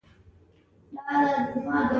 د سلما بند د هرات باغونه خړوبوي.